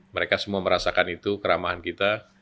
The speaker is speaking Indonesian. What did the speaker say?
mereka semua merasakan itu keramahan kita